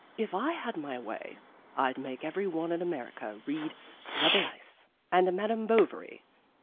If I had my way, I'd make every one in America read Rabelais and Madame Bovary.